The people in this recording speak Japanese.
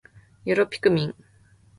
よろぴくみん